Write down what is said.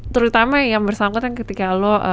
terutama yang bersangkutan ketika lo